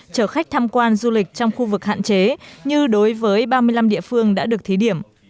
chở khách tham quan du lịch trong khu vực hạn chế như đối với ba mươi năm địa phương đã được thí điểm